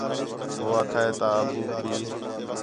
ہو آکھا ہِے تا ابوک بھی